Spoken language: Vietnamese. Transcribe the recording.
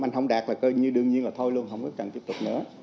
anh không đạt là coi như đương nhiên là thôi luôn không có cần tiếp tục nữa